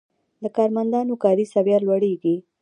د کارمندانو کاري سویه لوړیږي.